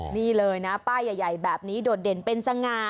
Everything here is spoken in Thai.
นี่เลยนะป้ายใหญ่แบบนี้โดดเด่นเป็นสง่า